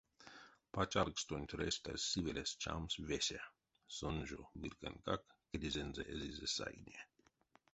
Пачалгстонть рестазь сывелесь чамсь весе, сон жо вилкантькак кедезэнзэ эзизе сайне.